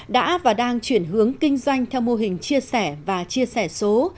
đã và đang chuyển hướng kinh doanh theo mô hình chia sẻ và chia sẻ số